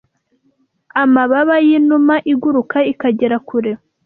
amababa y'inuma iguruka ikagera kure